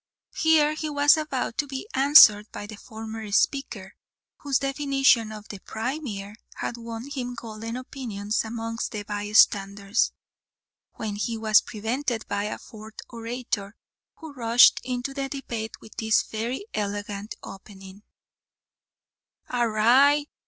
Here he was about to be answered by the former speaker, whose definition of "The Premier," had won him golden opinions amongst the by standers, when he was prevented by a fourth orator, who rushed into the debate with this very elegant opening "Arrah!